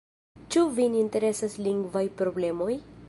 Ĉu vin interesas lingvaj problemoj?